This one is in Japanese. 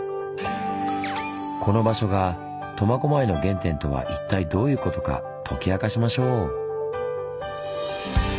この場所が苫小牧の原点とは一体どういうことか解き明かしましょう！